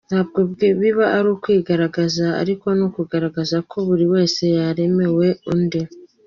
Ntabwo biba ari ukwigaragaza, ariko ni ukugaragaza ko buri wese yaremewe undi.